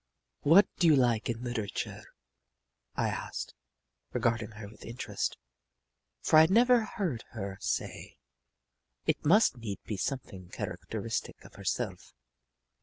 "What do you like in literature?" I asked, regarding her with interest, for I had never heard her say. It must need be something characteristic of herself.